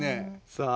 さあ